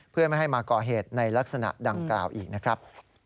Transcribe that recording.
เพื่อไม่ให้มาก่อเหตุในลักษณะดังกล่าวอีกนะครับ